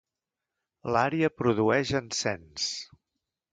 L'àrea produeix encens.